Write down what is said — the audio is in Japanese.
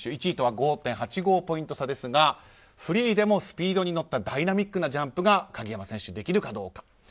１位とは５．８５ポイント差ですがフリーでもスピードに乗ったダイナミックなジャンプが鍵山選手、できるかどうか。